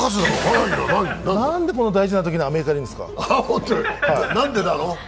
なんでこんな大事なときにアメリカにいるんですか？